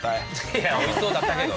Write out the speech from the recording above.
いやおいしそうだったけど。